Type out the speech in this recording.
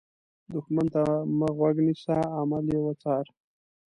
دښمن ته مه غوږ نیسه، عمل یې وڅار